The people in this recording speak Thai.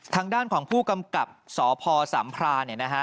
ทางด้านของผู้กำกับสพสามพรานเนี่ยนะฮะ